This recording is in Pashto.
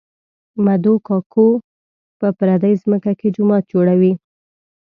مدو کاکو په پردۍ ځمکه کې جومات جوړوي